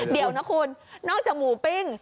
เดี๋ยวนะคุณนอกจากหมูปิ้ง